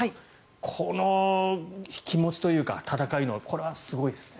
この気持ちというか、戦いこれはすごいですね。